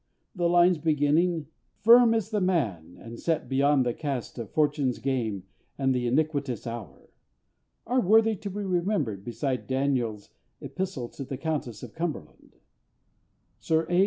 The lines beginning: "Firm is the man, and set beyond the cast Of fortune's game and the iniquitous hour," are worthy to be remembered beside DANIEL'S Epistle to the Countess of Cumberland. Sir A.